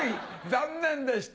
残念でした。